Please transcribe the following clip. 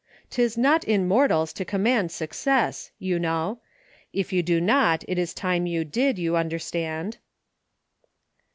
109 " 'Tis not in mortals to command success," you know — if you do not, it is time you did, you understand.